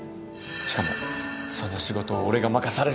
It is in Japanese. しかもその仕事を俺が任されることになった。